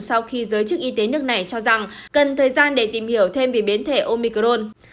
sau khi giới chức y tế nước này cho rằng cần thời gian để tìm hiểu thêm về biến thể omicron